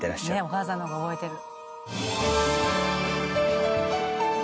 お母さんの方が覚えてる。